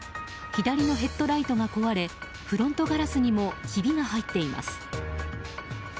左のヘッドライトが壊れフロントガラスにもひびが入っています。